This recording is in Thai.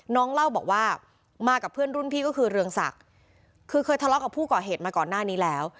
เล่าบอกว่ามากับเพื่อนรุ่นพี่ก็คือเรืองศักดิ์คือเคยทะเลาะกับผู้ก่อเหตุมาก่อนหน้านี้แล้ว